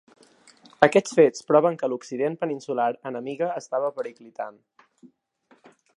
Aquests fets proven que a l’occident peninsular enemiga estava periclitant.